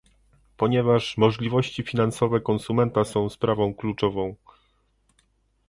"Ponieważ możliwości finansowe konsumenta są sprawą kluczową